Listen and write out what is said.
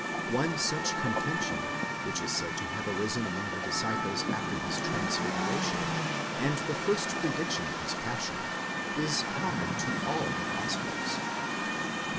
One such contention, which is said to have arisen among the disciples after the transfiguration, and the first prediction of the passion, is common to all the gospels (Matt.